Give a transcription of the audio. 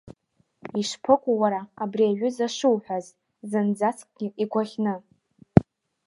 Ишԥыкәу уара абри аҩыза шуҳәаз зынӡаскгьы игәаӷьны.